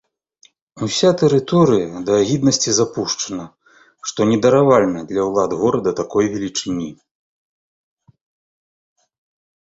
Уся тэрыторыя да агіднасці запушчана, што недаравальна для ўлад горада такой велічыні.